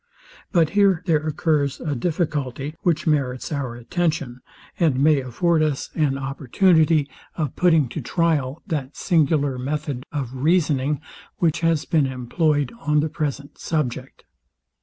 But here there occurs a difficulty, which merits our attention, and may afford us an opportunity of putting to tryal that singular method of reasoning, which has been employed on the present subject.